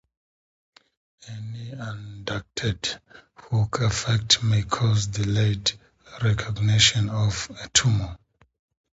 An undetected hook effect may cause delayed recognition of a tumor.